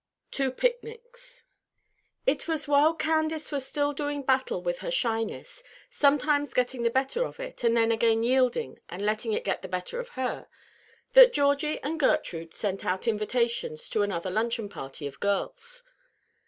TWO PICNICS. IT was while Candace was still doing battle with her shyness, sometimes getting the better of it and then again yielding and letting it get the better of her, that Georgie and Gertrude sent out invitations to another luncheon party of girls.